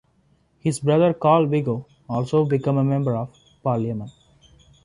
His brother Carl Viggo also became a member of Parliament.